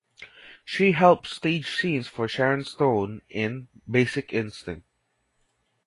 She helped stage scenes for Sharon Stone in "Basic Instinct".